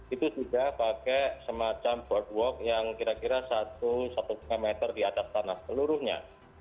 itu sudah pakai semacam boardwalk yang kira kira satu satu lima meter di atas tanah seluruhnya